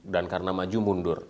dan karena maju mundur